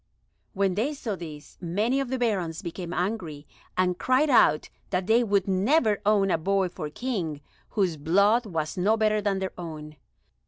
When they saw this, many of the Barons became angry and cried out that they would never own a boy for King whose blood was no better than their own.